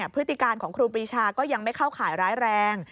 พฤติการของครูปรีชาก็ยังไม่เข้าข่ายร้ายแรง